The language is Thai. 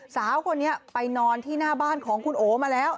สาวคนนี้ไปนอนที่หน้าบ้านของคุณโอมาแล้ว